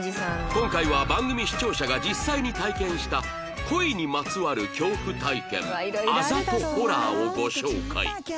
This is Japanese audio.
今回は番組視聴者が実際に体験した恋にまつわる恐怖体験あざとホラーをご紹介